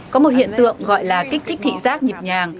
có một hiện tượng gọi là kích thích thị giác nhịp nhàng